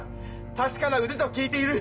確かな腕と聞いている。